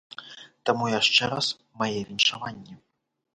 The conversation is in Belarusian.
Таму яшчэ раз мае віншаванні!